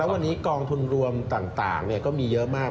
วันนี้กองทุนรวมต่างก็มีเยอะมาก